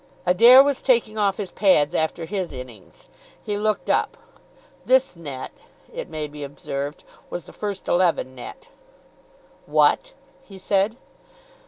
Adair was taking off his pads after his innings. He looked up. "This net," it may be observed, was the first eleven net. "What?" he said.